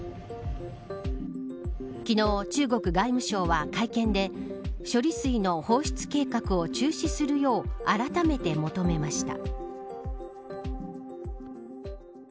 昨日、中国外務省は会見で処理水の放出計画を中止するようあらためて求めました。